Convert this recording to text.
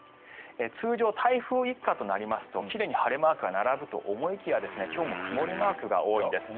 通常、台風一過となりますと奇麗に晴れマークが並ぶと思いきや今日も曇りマークが多いんです。